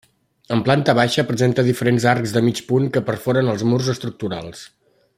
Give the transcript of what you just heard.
En planta baixa presenta diferents arcs de mig punt que perforen els murs estructurals.